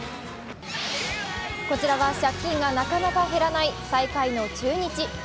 こちらは借金がなかなか減らない最下位の中日。